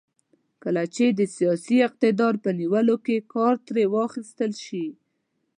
کله چې د سیاسي اقتدار په نیولو کې کار ترې واخیستل شي.